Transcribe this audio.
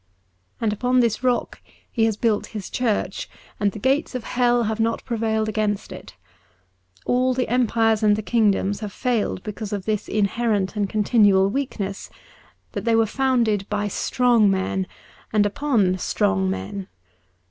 And upon this rock He has built His Church, and the gates of Hell have not prevailed against it. All the empires and the kingdoms have failed because of this inherent and continual weakness, that they were founded by strong men and upon strong men.